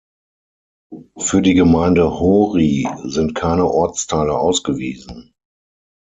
Für die Gemeinde Hory sind keine Ortsteile ausgewiesen.